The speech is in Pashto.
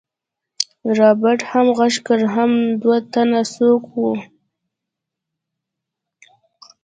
رابرټ هم غږ کړ حم دوه تنه څوک وو.